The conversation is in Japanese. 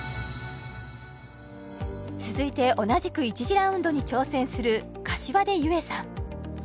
続いて同じく１次ラウンドに挑戦する膳柚英さん